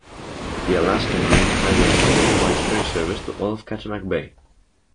The Alaska Marine Highway System provides ferry service to all of Kachemak Bay.